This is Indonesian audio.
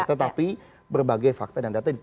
tetapi berbagai fakta dan data